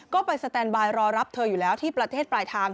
ก็ไปสแตนบายรอรับเธออยู่แล้วที่ประเทศปลายทาง